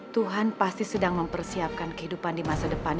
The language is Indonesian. tuhan pasti sedang mempersiapkan kehidupan di masa depan